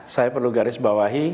saya perlu garis bawahi